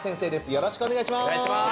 よろしくお願いします